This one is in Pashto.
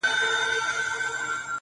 • تر څو چي ته یې زه راځمه بې سلا راځمه -